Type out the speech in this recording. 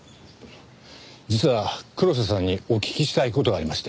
実は黒瀬さんにお聞きしたい事がありまして。